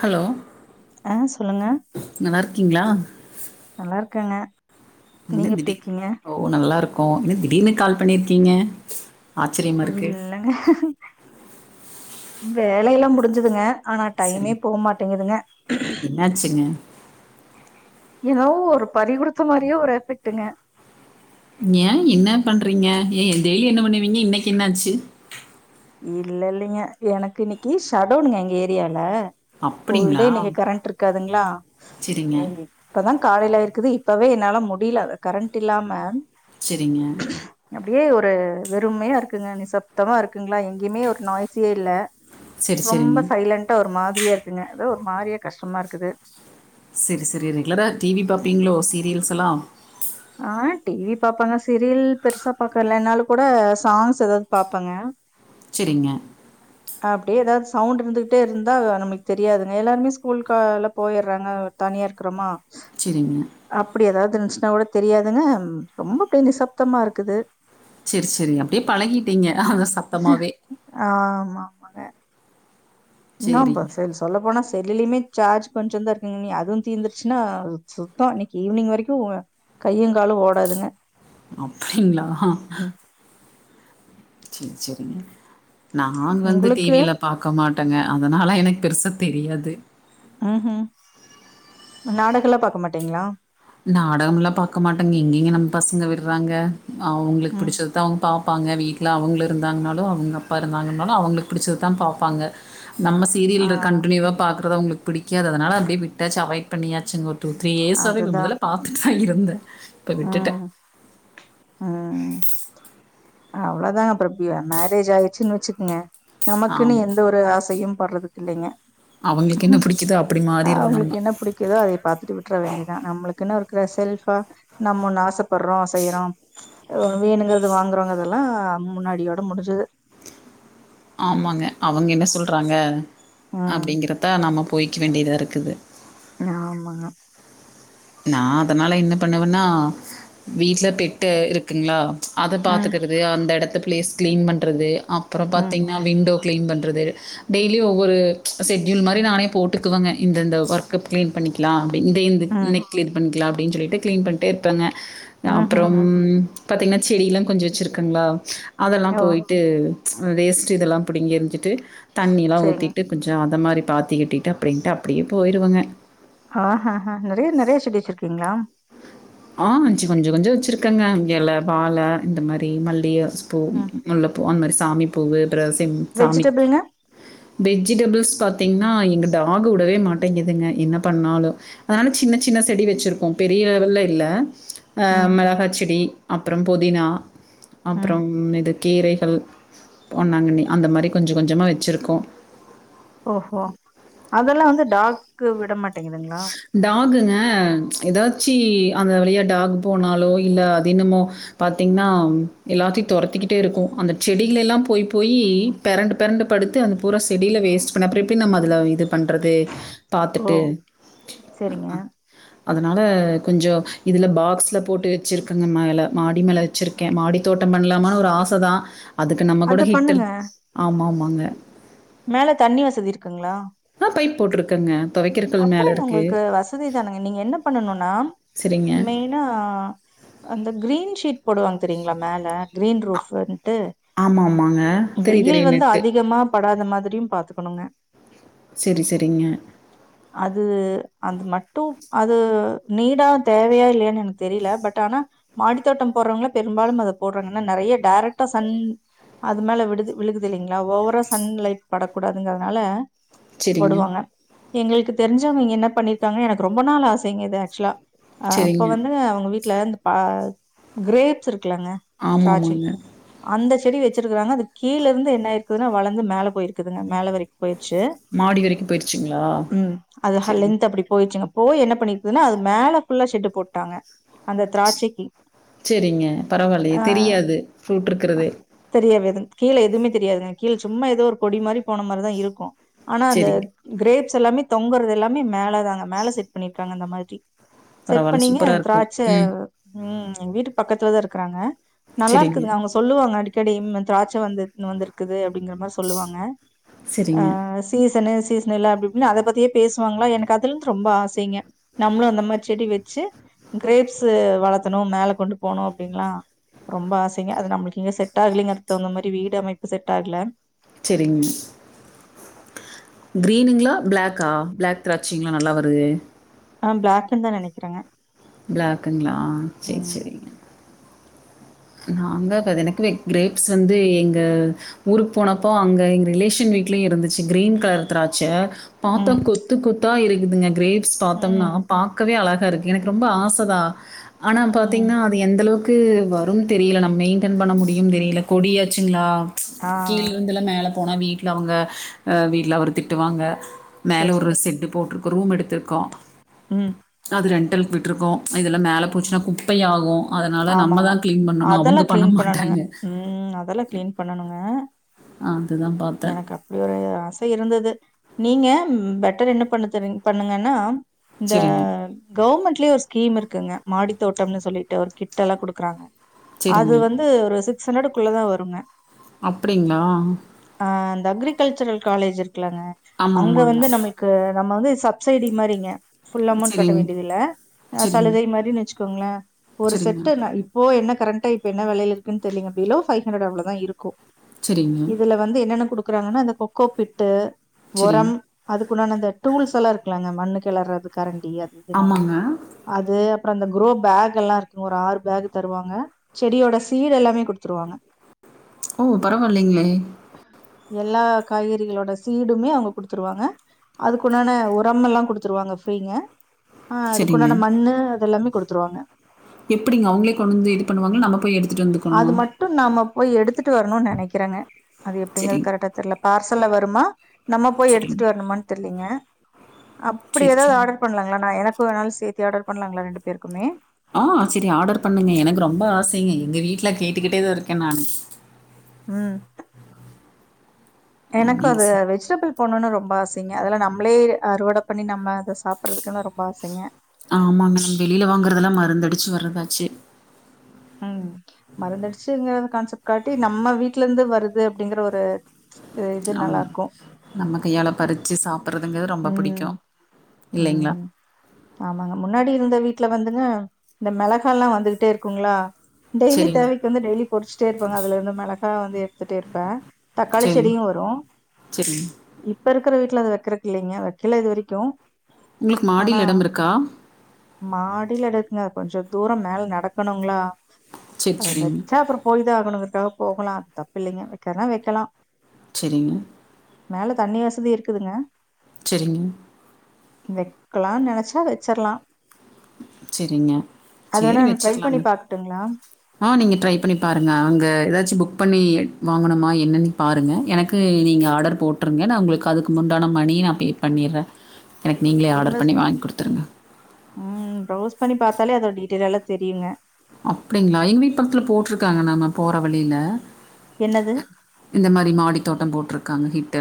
Hello ஆ சொல்லுங்க நல்லா இரு க்கீங்ளா நல்லா இருக்கங்க [unintelligible] ஓ நல்லாருக்கு ஒ என்ன திடீர்னு கால் பண்ணியிருக்கீங்க ஆச்சரியமா இருக்கு இல்லங்க வேலயெல்லாம் முடிஞ்சதுங்க ஆனா சரி டைமே போ மாட்டேங்குதுங்க என்னாச்சுங்க எதோ ஒரு பறி குடுத்த மாரியே ஒரு எஃபெக்ட்டுங்க. ஏ என்ன பண்றீங்க ஏ டெய்லி என்ன பண்ணுவீங்க இன்னைக்கு என்ன அச்சு இல்ல இல்லிங்க எனக்கு இன்னைக்கி ஷடோனுங்க எங்க ஏரியால ஃபுல்டே அப்படிங்களா இன்னைக்கு கரண்ட் இருக்காதுங்களா சரிங்க ம் இப்பதான் காலையில இருக்குது இப்பவே என்னால முடில கரண்ட் இல்லாம செரிங்க அப்டியே ஒரு வெறுமையா இருக்குங்க நிசப்தமா இருக்கு இருக்குங்களா எங்கியுமே ஒரு நாய்ஸ்யே இல்ல சரி சரிங்க ரொம்ப சைலன்டா ஒரு மா தெரியாதுங்க ஏதோ ஒரு மாரியா கஷ்டமா இருக்குது செரி செரிங்க ரெகுலரா டிவி பாப்பிங்களோ சீரியல்ஸ் எல்லாம் ஆ டிவி பாப்பாங்க சீரியல் பெருசா பாக்குறது இல்ல என்னால் கூட சாங்ஸ் ஏதாது பாப்பாங்க செரிங்க அப்டியே ஏதாது சவுண்ட் இருந்துக்கிட்டே இருந்தா நமளுக்கு தெரியாதுங்க எல்லாருமே ஸ்கூல் கால போயிடுறாங்க தனியாக இருக்கிறோமா செரிங்க அப்டி ஏதாது இருந்துச் கூட தெரியாதுங்க ரொம்ப அப்டி நிசப்தமா இருக்குது செரி செரி அப்டியே பழகிட்டீங்க அத சத்தமாவே ஆ என்னம்பா செரி சொல்ல போனா இதுலயுமே சார்ஜ் கொஞ்சமா தா இருக்குதுங்க நீ அதுவும் தீர்ந்துருச்சுன்னா சுத்தம் இன்னைக்கு ஈவினிங் வரைக்கும் கையங்காலும் ஓடாதுங்க அப்டிங்களா செரி செரிங்க நா வந்து உங்களுக்கு டிவிலாம் பாக்க மாட் டேங்க அதனால எனக்கு பெருச தெரியாது ம் ம் நாடகம் எல்லா பாக்கமாட்டீங்களா நாடகம் எல்லா பாக்க மாட்டேங்க எங்கங்க நம்ம பசங்க விடுறாங்க அவங்குளுக்கு ம் பிடிச்சதுதான் அவுங்க பாப் பாங்க வீட்ல அவுங்க இருந்தாங்கனாலும் அவுங்க அப்பா இருந்தாங்கனாலும் அவங்குளுக்கு புடிச்சது தான் பாப்பாங்க நம்ம ஆ சீரியல் கண்டினியூவா பாக் அப்றோ அவுங்களுக்கு பிடிக்காது அதனால அப்டி விட்டாச்சு அவாய்ட் பண்ணியாச்சுங்க டு த்ரீ இயர்ஸாவே அதுதா முத பாத்துட்டு தா இருந்தே இப்ப விட்டுட்டே உம் அவ்வளோதாங்க பிரபயு மேரேஜ் ஆயிடுச்சுன்னு வச்சுக்கோங்க நமக்குன்னு ஆமா. எந்த ஒரு ஆசையும் படுறதுக்கு இல்லைங்க அவங்களுக்கு என்ன பிடிக்குதோ அப்படி மாறிருவோம் நம்ம. அவுங்களுக்கு என்ன பிடிக்குதோ அத பாத்துட்டு விட்டர வேண்டியதா நம்மளுக்கு இருக்குன்னு இருக்கிற செல்ஃபா நம்ம ஒன்னு ஆச போடுறோ செய்யுறோ வேணுங்குறது வாங்குறோங்கதெல்லா முன்னாடியோட முடிஞ்சுது ஆமாங்க அவுங்க என்ன சொல்றாங்க ம் அப்டீங்கறப்ப நம்ம போய்க்க வேண்டியதா இருக்குது ஆ ஆமாங்க நா அதனால என்ன பண்ணுவன்னா வீட்ல பெட்டு இருக்குங்ளா அத ம் பாத்துக்குறது அந்த இடத்த பிளேஸ் கிளீன் பண்றது அப்றோ ம் பாத்திங்னா விண்டோ கிளீன் பண்றது டெய்லி ஒவ்வொரு ஷெட்யூல் மாரி நானே போட்டுக்குவங்க இந்த இந்த வொர்க் கிளீன் பண்ணிக்கலா அப்டின்னு ம் இன்னைக்கு க்ளீன் பண்ணிக்ளா அப்டின்னு சொல்லிட்டு கிளீன் பண்ட்டே இருப்பேங்க. அப்றோம் ம்ஹ்ஹ்ம் பாத்தீங்கனா செடில கொஞ்சோ வச்சிருக்குங்களா அதெல்லா ஓ போயி்ட்டு வேஸ்டு இதெல்லா புடிங்கி எருஞ்சிட்டு தண்ணி எல்லா சரிங்க ஊத்திட்டு கொஞ்சோ இந்த மாரி பாத்திக்கட்டிட்டு அப்டின்ட்டு அப்டியே போயிடுவங்க ஆஹ்ஹ்ஹ் நெறய நெறய செடி வெச்சிருக்கீங்ளா. ஆ கொஞ்சோ கொஞ்சோ வச்சிருக்கேங்க இல வாழா இந்த மாரி மல்லிகே குஷ்பூ ம் முல்லப்பூ அந்தமாரி சாமி பூவு ரசிம் சாமிக்கி வெஜிடபிள்ங்க வெஜிடபிள்ஸ் பார்த்திங்கன்னா எங்கள் டாகு விடவே மாட்டேங்கிதுங்க என்ன பண்ணாலு அதனால சின்ன சின்ன செடி வச்சுருக்கோ பெரிய லெவல் இல்ல அ ம் மிளகா செடி அப்புறோ புதினா ம் அப்புறம் இது கீரைகள் பொன்னாங்கண்ணி அந்த மாரி கொஞ்ச கொஞ்சமா வச்சிருக்கோ ஓஹோ அதெல்லா வந்து டாகு கு விடமாட் டாகுனு எதாது ச்சி அந்த வழியா டாகு போனாலோ இல்ல அதெனுமோ பாார்த்தீங்கன்னா எல்லாத்தையு துரத்திக்கிட்டே இருக்கு அந்த செடிகள்ளல்லா போய் போய் பெரண்டு பெரண்டு படுத்து அந்த பூரா செடில வேஸ்ட் பண்ணப்ப அப்ற எப்டி நம்ம அதுல இது பண்றது பாத்துட்டு ஓ செரிங்க அ அதுனால கொஞ்சோ இதுல பாக்ஸ்ல போட்டு வச்சிருக்கங்க மேல மாடி மேல வச்சிருக்கே மாடி தோட்டம் பண்ணலாமான்னு ஒரு ஆச தா அதுக்கு நம்ம அது கூட ஹிட்டல் பண்ணுங்க ஆமா ஆமா வாங்க மேல தண்ணி வசதி இருக்குங்களா ஆ பைப் போட்டிருக்கேங்க துவைக்கிற கல் அப்புறம் மேல என்ன இருக்கு. உங்களுக்கு வசதி தானங்க நீங்க என்ன பண்ணனும்னா சரிங்க. மெயினா அந்த கிரீன்ஷீட் போடுவாங்க தெரியீங்களா மேலே கிரீன் ரூஃப் ஆமா ஆமாங்க தெரியு தெரியு வந்து நெட்டு அதிகமா படாத மாதிரியு பாத்துக்கணுங்க செரி செரிங்க அது அது மட்டு அது நீடா தேவையா இல்லையன்னு எனக்கு தெரில பட் ஆனா மாடித்தோட்டம் போறவங்களு பெரும்பாலு அத போடுறாங்கன்னா நெறைய டடைரெக்டா சன் அது மேல விடுது விழுகுது இல்லிங்களா ஓவரா சன் லைட் படக்கூடாதுங்கறனால சரிங்க, போடுவாங்க எங்களுக்கு தெரிஞ்சவங்க என்ன பண்ணிருக்காங்கன்ன எனக்கு ரொம்ப நாள் ஆசைங்க இது ஆக்சுவலா அ அப்ப சரிங்க. வந்து அவங்க வீட் ட்ல ப்ப கிரேப்ஸ் இருக்கு க்குலாங்க ஆமா, திராட்சை ஆமாங்க. அந்த செடி வச்சிருக்கறாங்க அது கீழே இருந்து என்ன இருக்குதுன்னா வளர்ந்து மேல போயிருக்குதுங்க மேல வரைக்கு போயிருச்சு மாடி வரைக்கு போயிருச்சுங்களா ம் அது ஆ சரிங்க. லென்த் அப்டி போ போச்சுங்க போய் என்ன பண்ணிக்குதுன்னா அது மேல ஃபுல்லா செட்டு போட்டாங்க அந்த திராட்சைக்கு சேரிங்க பரவால்லா ஆ தெரியாது ஃப்ரூட் இருக்கறது கீழே எதுமே தெரியாதுங்க கீழே சும்மா ஏதோ ஒரு கொடி மாரி போன மாரிதா இருக்கு ஆனா அந்த சரிங்க. கிரேப் ச்சலாமே தொங்கறது எல்லாமே மேல தாங்க மேல செட் பண்ணிருக்காங்க அந்த மாதிரி செட் பரவாயில்ல. பண்ணீங்கலா சூப்பரா அந்த இருக்கும். திராட்சை ம். ம் எங்க வீட்டு பக்கத்துலதா இருக்கறாங்க நல்லா சரிங்க, இருக்குதுங்க அவுங்க சொல்லுவாங்க அடிக் கெடையாம் திராட்சை வந்து வந்துருக்குது அப்டிங்கற மாரி சொல்லுவாங்க ஆ சரிங்க, சீசனுஸ் சீசனு ல்ல அப்டின்னு அத. பத் பேசுவாங்களா எனக்கு அதுலந்து ரொம்ப ஆசைங்க நம்லோஅந்த மாரி செடி வச் வச்சி க்ரேப்ஸ்சு வளத்தணு மேல கொண்டு போணு அப்டின்லா ரொம்ப ஆசைங்க அது நம்மளுக்கு இங்க செட் ஆகலங்கே அது தகுந்த மாரி வீடு அமைப்பு செட் ஆகல சேரிங்க கிரீனுங்களா ப்ளக்கா ப்ளாக் திராட்சிங்களா நல்லா வருது ஆ ப்ளாக்கீனனு நெனைக்கறேங்க ப்ளாக்குங்களா செரி செரி நாங்க எனக்கு க்ரேப்ஸ் வந்து எங்க ஊருக்கு போனப்போ அங்க எங்க ரிலேஷன் வீட்லயு இருந்துச்சு கிரீன் கலர் திராச்சை பாத்தோ ம் கொத்து கொத்தா இருக் இதுங்க க்ரேப் சாத்தோம்னா ம் பாக்கவே அழ தா இருக்கு எனக்கு ரொம்ப ஆசதா அனா ம் பாத்தீங்கன்னா அது எந்தளவுக் க்கு வ தெரியல நா மெயின்டன் பண்ண முடியும் தெரியல கொடியாச்சுங்களா ஆ கீல் இருந்துலா மேலே போனா வீட்ல அவுங்க அ வீட்ல அவரூ திட்டுவாங்க சரி மேல ஒரு சரி செட்டு போட் ரூம் எடுத்திருக்கோம் ம் ரெண்டல் விட்டுருக்கோம் இதுல மேல ம் போச்சுனா குப்பை ஆகும் அதனால நம்ம தா அதெல்லா கிளீன் பண்ணணுங்க ம் அதெல்லாம் கிளீன் பண்ணணுங்க அதுதான் பார்த்தேன். எனக்கு அப்டி ஒரு ஆசை இருந்தது நீங்க பெட்டர் என்ன பண்ணு பண்ணுங்க னா இந்த சரிங்க, கவுர்மெண்ட் ஒரு ஸ்கீம் இருக்கு இருக்குங்க மாடி தோட்டம்னு சொல்லிட்டு ஒரு கிட் எல்லா குடுக்குறாங்க அது சரிங்க. வந்து ஒரு சிப் சனடுக்குள்ள தான் வருங்க அப்டிங்களா அ அந்த அக்ரிகல்ச்சர் காலேஜ் இருக் இருக்கு லாங்க ஆமா, அங்க ஆமாங்க. வந்து நமக்கு நம்ம வந்து சப்சிடி மாரிங்க ஃபுல் அமௌண்ட் கட்ட சரிங், வேண்டியது இல்ல சரிங், [unintelligible] குங்களா ஒரு சரிங்க, செட்டு ந இப்போ என்ன கரண்டா இப்ப என்ன வெலையில இருக்குன் தெரிலிங்க பிலோ ஃபைவ் ஹண்ரட் அவ்ளோதா இருக்கு சரிங்க, இதுல வந்து என்னன்ன குடு குறாங்கன்னா அந்த கொக்கோப்பிட்டு சரிங். ஒரம் அது குனான் அந்த டூல்ஸ் எல்லா இருக்குலங்க மண்ணு கெளறது கரண்ட் தெரியாது இதுனல்லா ஆமாங்க. அப்றோ அந்த குரோப் பேக் எல்லா இருக்கு ஒரு ஆறு பேக் தருவாங்க செடியோட சீட் எல்லாமே குடுத்துருவாங்க ஓ பரவாயில்லங்களே எல்லா காய்கறிகளோட சீடுமே அவுங்க குடுத்துருவாங்க அதுக்குன்டான உரம் எல்லா குடுத்துருவாங்க ஃப்ரீங்க சரிங்க. க்குண்டான மண்ணு அதெல்லாம் குடுத் துருவாங்க எப்டிங்க அவுங்களே கொண்டு வந்து இது பண்ணுவாங்கள நம்ம போய் எடுத்துட்டு அது வந்துக்கணுமா மட்டு நாம போய் எடுத் துட்டு வரணும்னு நெனைக்கிறங்க அது எப்டிங்க சரிங்க, கரெக்டா தெர்ல பார்சல்ல வருமா நம்ம போய் சரிங்க. எடுத்துட்டு வரனுமானு தெரிலிங்க அப்டி சரி, எதாது சரி. ஆர்டர் பண்ணலாங்களா நா எனக் [unintelligible] சேத்தி ஆர்டர் பண்ணங்களா ரெண்டு பேருக்குமே ஆ செரி ஆர்டர் பண்ணுங்க எனக்கு ரொம்ப ஆசை எங்க வீட்ல கேட்டுக்கிட்டே தான் இருக்கேன் நானு ம் அ எனக்கு நீங்க அது சொ வெஜிடபிள் போனும்னு ரொம்ப ஆசைங்க அதெல்லாம் நம்மளே அறுவடை பண்ணி நம்ம அத சாப்பிடுறதுக்குன்னு ரொம்ப ஆசைங்க. ஆமா மேம் வெளியில வாங்குறதெல்லாம் மருந்தடிச்சி வர்றதா சு ம் மறந்துடுச்சிங்கற கான்செப்ட் கான்டி நம்ம வீட்டல இருந்து வருது அப்டிங்கற ஒரு இது ஆமா நல்லாருக்கும். நமக் கையால பறிச்சி சாப் றங்குறது ரொம்ப ம். புடிக்கும் ம் ஆமாங்க முன்னாடி இருந்து வீட்ல வந்துங்க இந்த மிளகாலாம் வந்துடே இருக்குங்களா டெய்லி சரிங்க தேவைக்கு வந்து டெய்லி பொறிச்சுட்டே இருப்பேங்க அதுல இருந்து மிளகா வந்து எடுத்துட்டே இருப்பேன் தக்காளி சரிங்க செடியும் வரும் சரிங்க இப்ப இருக் விக்கிற வீட்ல அத வைக்கிறது இல்லிங்க வைக்கல இது வரைக்கும் உங்குளுக்கு மாடில இடம் இருக்கா மாடியில எடுக்குங்க கொஞ்சம் தூரம் மேல நடக்கணுங்களா சரி அது சரிங்க வச்சா அப்றோ போய் தா போனதுக்காக போகலாம் தப்பு இல்லங்க வைக்கனும்னா வைக்கலாம் செரிங்க மேல தண்ணி வசதி இருக்குதுங்க செரிங்க வெக்கலாம்னு நினைச்சா வெச்சிரலாம் செரிங்க சேரி நான் ட்ரை பண்ணி வச்சுரலாங்க பாக்கட்டுங்களா ஆ நீங்க ட்ரை பண்ணி பாருங்க அங்க எதாச்சு புக் புக் பண்ணி வாங்கணுமா என்னென்னு பாருங்கள் எனக்கு நீங்க ஆர்டர் போட்ருங்க ந உங்களுக்கு அதுக்கு உண்டான மணி ந பே பண்ணிறேன் எனக் நீங்களே ஆடர் இன்வெஸ் பண்ணி வாங்கி குடுத்துருங்க ம் ப்ரௌஸ் பண்ணி பாத்தாலே அதோ டீடைல் எல்லா தெரியுங்க அப்டிங்ளா எங்க வீட் பக்கத்துல போட்ருக்காங்கள நா போற வழில என்னது இந்த மாரி மாடித்தோட்டம் போட்டிருக்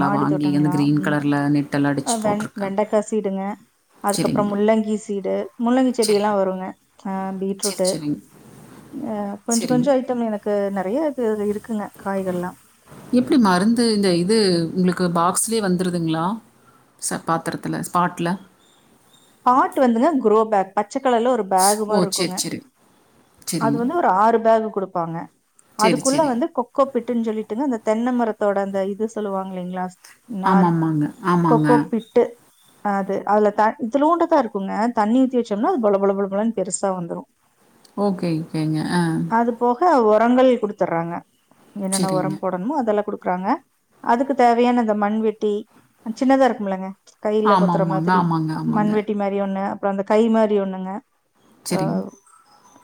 மாடி தோட்டங்களா ம் நெட் எல்லாம் அடிச்சு வெண் போட்டிருக்காங்க. வெண்டக்கா சீடுங்க அதுக்கப்றோ சரிங்க. முள்ளங்கி சீடு முள்ளங்கி சரிங்க. செடிலாம் வருங்க ஆ சரி, பீட்ரூட்டு் சரிங்க. அ கொஞ்ச கொஞ்ச சரிங்க. ஐட்டம் எனக்கு நெறைய இது இருக்குங்க காய்கள்லாம் எப்படி மருந்து இந்த இது உங்களுக்கு பாக்ஸ்லே வந்துருங்களா ச பாத்திரத்துல ஸ்பாட்ல பாட் வந்துங்க க்ரோ பேக் பட் பச்சகலர்ல ஒரு பேக் ஓ! மாரி சரி, இருக்குங்க சரி. அது சரிங்க. வந்து ஒரு ஆறு பேக் குடுப்பாங்க சரி, அதுக்குள்ள சரி. வந்து கொக்கோ பிட்டுன்னு சொல்லிட்டுங்க அந்த தென்ன மரத்தோட அந்த இது சொல்லுவாங்க இல்லங்களா ஆமாமாங்க ஆமாங்க அது அதுல த இத்துலூண்ட தா இருக்குங்க தண்ணி ஊத்தி வச்சோம்ன அது பள பள பளன்னு பெருசா வந்துரும் ஓகே ஓகேங்க ஆ அ உரங்கள் குடுத்துடுறாங்க என்னென்ன சரிங்க. உரம் போடணுமோ அதெல்லாம் குடுக் க்கறாங்க அதுக்கு தேவையான இந்த மண்வெட்டி சின்னதா இருக்கும்லங்க கையில கொத்துற ஆம்மாங்க மாதிரி ஆமாங்க ஆமாங்க. மண்வெட்டி மாரி ஒன்னு அப்றோ அந்த கை மாரி ஒண்ணுங்க செரிங்க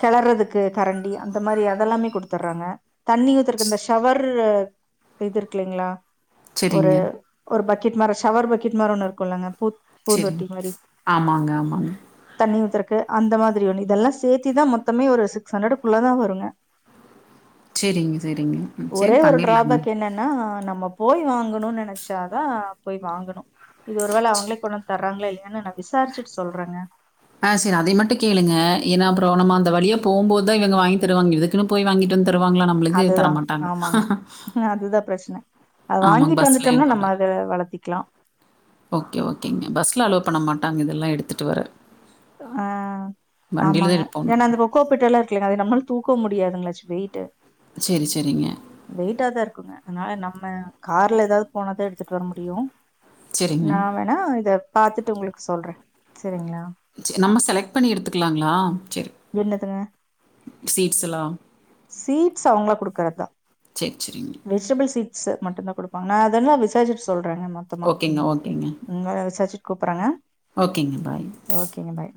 கிளர்றதுக்கு கரண்டி அந்த மாரி அதெல்லாமே குடுத்துடுறாங்க தண்ணி ஊத்துறதுக்கு இந்த ஷவர் இது இருக்கு இல்லிங்களா ஒரு சரிங்க. ஒரு பட் பக்கட் மரம் சவர் பக்கட் மர ஒன்னு இருக்கும்ல்லாங்க பூ செரிங்க. பூந்தொட்டி மாரி ஆமாங்க ஆமாங்க தண்ணி ஊத்தற்கு அந்த மாதிரி இதெல்லாம் சேர்த்திதான் மொத்தமே ஒரு சிக்ஸ் ஹண்டக்குள்ள தான் வருங்க செரிங்க செரிங்க ஒரே செரி ஒரு பண்ணிரலாங்க டிராபேக் என்னன்னா நம்ம போய் வாங்கணும்னு நினைச்சாதான் போய் வாங்கணும் இது ஒரு வேளை அவங்களே கொண்டு வந்து தர்றாங்களா இல்லையன்னு ந விசாரிச்சுட்டு சொல்றங்க ஆ செரி அத மட்டும் கேளுங்க ஏன்ன அப்றோ நம்ம அந்த வழியா போகும் போதுதான் இவங்க வாங்கி தருவாங்க இதுக்குன்னு போய்ங்கிட்டு வந்து தருவாங்களா நம்மளுக்கு? அதுதான் தரமாட்டாங்க. ஆமாங்க அதுதான் பிரச்சனை அதை ஆமாங்க. வாங்கிட்டு பஸ்லயும் வந்துட்டோம்னா கொண்டு நம்ம வர அத வளர்த்திக்கலாம் ஓகே ஓகேங்க பஸ்ல அலோ பண்ண மாட்டாங்க இதெல்லாம் எடுத்துட்டு வர ஆ வண்டியில தான் ஆமாங்க எடுப்போம் ஏன்னா நம்ம. அந்த கோகோ பீட் எல்லா இருக்கில்லாங்க அது நம்மளுக்கு தூக்க முடியாதுங்களாச்சு வெயிட்டு சரி, சரிங்க. வெயிட்டாதான் இருக்குங்க அதனால நம்ம கார்ல ஏதாது போனா தான் எடுத்து வர முடியும் சரிங்க. நா வேணா இத பாத்துட்டு உங்களுக்கு சொல்றேன் செரிங்களா சரி நம்ம செலக்ட் பண்ணி எடுத்துக்கலாங்களா? சரி. என்னதுங்க சீட்ஸ் எல்லாம். சீட்ஸ் அவங்கள குடுக்கறதுதான் சரி, சரிங்க. வெஜிடபிள் சீட்ஸ் மட்டும் தான் குடுப்பாங்க நல்லா விசாரிச்சுட்டு சொல் [unintelligible] மொத்தமா ஓகேங்க, ஓகேங்க. இங்க வர வெச்சாச்சு கூப்பிடறேங்க ஓகேங்க பாய் பாய்